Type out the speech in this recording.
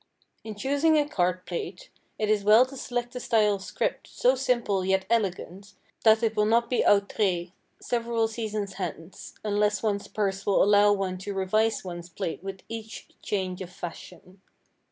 In choosing a card plate it is well to select a style of script so simple yet elegant that it will not be outré several seasons hence, unless one's purse will allow one to revise one's plate with each change of fashion.